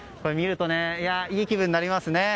見ると、いい気分になりますね。